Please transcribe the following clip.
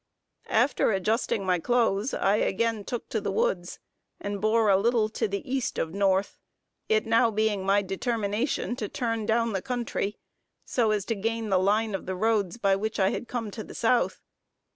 After adjusting my clothes, I again took to the woods, and bore a little to the east of north; it now being my determination to turn down the country, so as to gain the line of the roads by which I had come to the South.